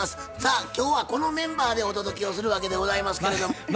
さあ今日はこのメンバーでお届けをするわけでございますけれども。